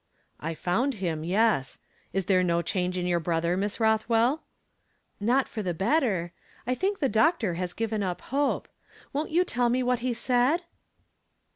''" I found him, yes. Is there no change in your brother, Miss Roth well ?" "Not for the better. I think the doctor has given up hope. Won't you tell me what he said?"